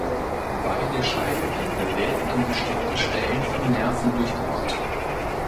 Beide Scheidewände werden an bestimmten Stellen von Nerven durchbohrt.